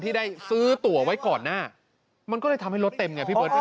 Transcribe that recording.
ที่ได้ซื้อตัวไว้ก่อนหน้ามันก็เลยทำให้รถเต็มไงพี่เบิร์พี่